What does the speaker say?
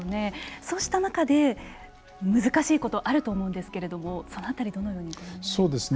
そうした中で難しいことがあると思うんですけれどもその辺りはどのようにご覧になりますか。